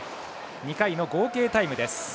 ２回の合計タイムです。